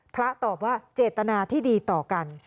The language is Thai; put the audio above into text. ตอบว่าเจตนาที่ดีต่อกัน